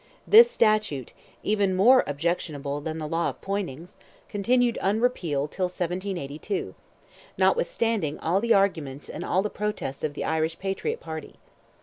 This statute, even more objectionable than the law of Poynings, continued unrepealed till 1782, notwithstanding all the arguments and all the protests of the Irish patriot party.